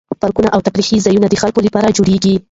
پارکونه او تفریح ځایونه د خلکو لپاره جوړیږي.